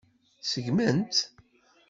Seggmen-tt.